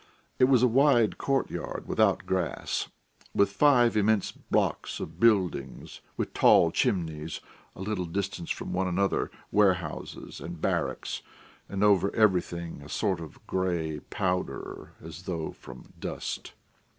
It was a wide courtyard without grass, with five immense blocks of buildings with tall chimneys a little distance one from another, warehouses and barracks, and over everything a sort of grey powder as though from dust.